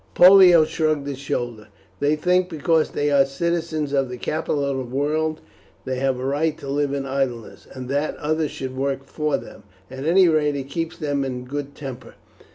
Pollio shrugged his shoulders. "They think because they are citizens of the capital of the world they have a right to live in idleness, and that others should work for them. At any rate it keeps them in a good temper.